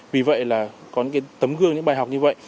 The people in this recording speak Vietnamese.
vì vậy là có những tấm gương những bài học như vậy